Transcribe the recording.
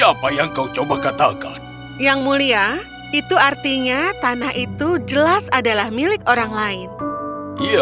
apa yang kau coba katakan yang mulia itu artinya tanah itu jelas adalah milik orang lain ya